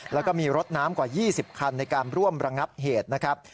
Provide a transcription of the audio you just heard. แล้วก็มีรถน้ำกว่า๒๐คันในการร่วมระงับเหตุนะครับ